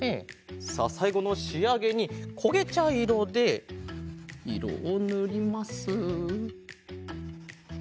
さあさいごのしあげにこげちゃいろでいろをぬります。